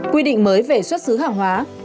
quy định mới về xuất xứ hàng hóa